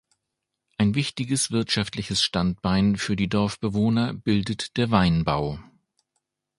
Ein wichtiges wirtschaftliches Standbein für die Dorfbewohner bildet der Weinbau.